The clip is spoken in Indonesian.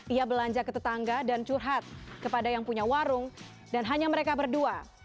ia belanja ke tetangga dan curhat kepada yang punya warung dan hanya mereka berdua